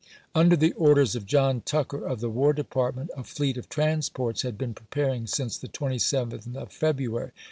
Under the orders of John Tucker of the War De partment, a fleet of transports had been preparing since the 27th of February.